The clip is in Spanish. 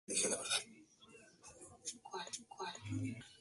Es sobrino de la cantante Cecilia.